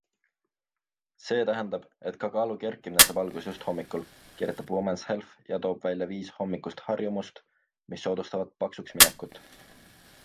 See tähendab, et ka kaalu kerkimine saab alguse just hommikul, kirjutab Women's Health ja toob välja viis hommikust harjumust, mis soodustavad paksuksminekut.